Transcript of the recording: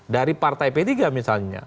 dari partai p tiga misalnya